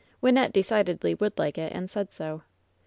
Wynnette decidedly would like it, and said so.